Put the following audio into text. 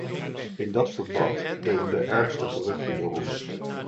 In dat verband deden de ergste geruchten de ronde.